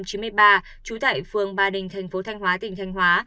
chú tại phương ba đình thành phố thanh hóa tỉnh thanh hóa